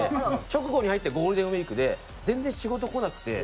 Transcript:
直後に入ったゴールデンウィークで全然仕事こなくて。